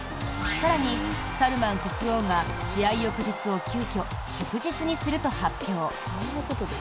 更にサルマン国王が試合翌日を急きょ祝日にすると発表。